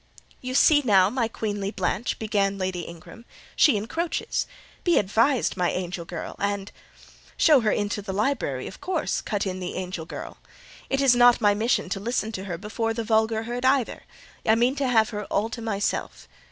"You see now, my queenly Blanche," began Lady Ingram, "she encroaches. Be advised, my angel girl—and—" "Show her into the library, of course," cut in the "angel girl." "It is not my mission to listen to her before the vulgar herd either: I mean to have her all to myself.